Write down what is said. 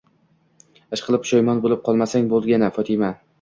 Ishqilib pushaymon bo'lib qolmasang bo'lgani, Fotima!